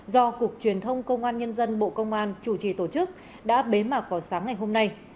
do cục truyền thông công an nhân dân bộ công an chủ trì tổ chức đã bế mạc vào sáng ngày hôm nay